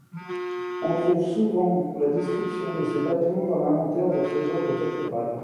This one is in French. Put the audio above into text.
On trouve souvent la description de ces bâtons dans l'inventaire des trésors des cathédrales.